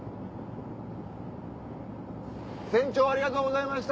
船長ありがとうございました